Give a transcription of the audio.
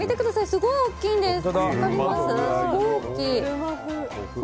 すごい大きいんです！